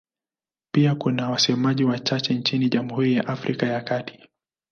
Pia kuna wasemaji wachache nchini Jamhuri ya Afrika ya Kati.